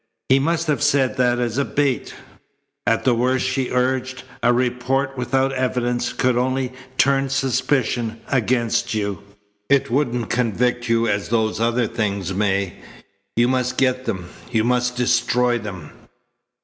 "He must have said that as a bait." "At the worst," she urged, "a report without evidence could only turn suspicion against you. It wouldn't convict you as those other things may. You must get them. You must destroy them."